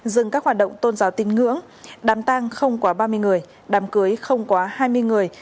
dừng các hoạt động tôn giáo tin ngưỡng đám tang không quá ba mươi người đám cưới không quá hai mươi người